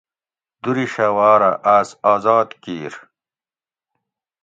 دُر شھوار اۤ آس آذاد کیر